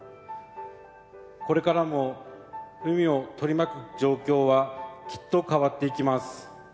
これからも海を取り巻く状況はきっと変わっていきます。